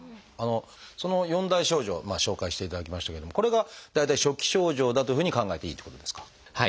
その４大症状を紹介していただきましたけどもこれが大体初期症状だというふうに考えていいっていうことですか？